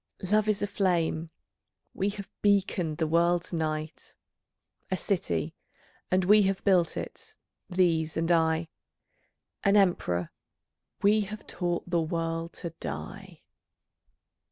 Love is a flame; we have beaconed the world's night. A city: and we have built it, these and I. An emperor: we have taught the world to die.